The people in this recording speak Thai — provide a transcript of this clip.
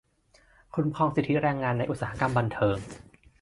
- คุ้มครองสิทธิแรงงานในอุตสาหกรรมบันเทิง